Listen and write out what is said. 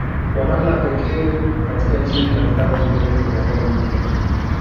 kwa namna ya kipekee katika Injili na vitabu vingine vya Agano Jipya